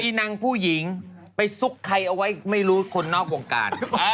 นางผู้หญิงไปซุกใครเอาไว้ไม่รู้คนนอกวงการ